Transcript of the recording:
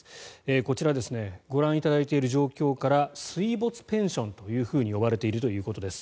こちらご覧いただいている状況から水没ペンションと呼ばれているということです。